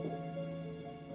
aku sudah selesai